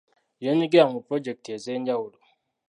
Yeenyigira mu pulojekiti ez'enjawulo.